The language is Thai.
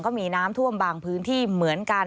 ก็มีน้ำท่วมบางพื้นที่เหมือนกัน